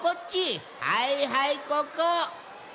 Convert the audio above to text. はいはいここ！